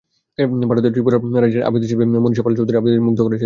ভারতের ত্রিপুরা রাজ্যের আবৃত্তিশিল্পী মনীষা পাল চৌধুরীর আবৃত্তি মুগ্ধ করেছে দর্শকদের।